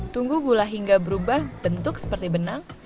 tunggu gula hingga berubah bentuk seperti benang